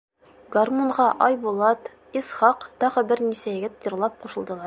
Гармунға Айбулат, Исхаҡ, тағы бер нисә егет йырлап ҡушылдылар.